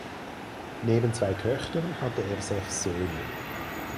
Neben zwei Töchtern hatte er sechs Söhne.